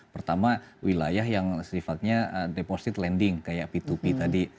pertama wilayah yang sifatnya deposit landing kayak p dua p tadi